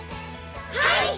はい！